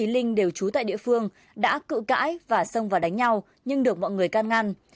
linh đều trú tại địa phương đã cự cãi và xông vào đánh nhau nhưng được mọi người can ngăn